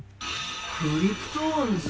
クリプトオンズ？